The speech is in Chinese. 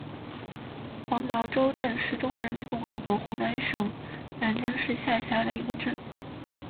黄茅洲镇是中华人民共和国湖南省沅江市下辖的一个镇。